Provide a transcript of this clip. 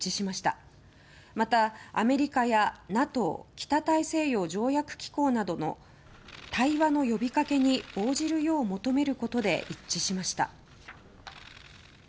また、アメリカやＮＡＴＯ・北大西洋条約機構などの対話の呼びかけに応じるよう求めることで一致しました。